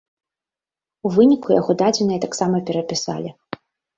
У выніку яго дадзеныя таксама перапісалі.